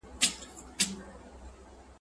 نیمچه پوه خلک لږ ګټه رسوي.